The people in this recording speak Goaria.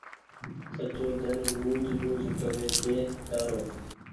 سجو ۮن ٻوجه ٻوجه ڪري ڇي تآرو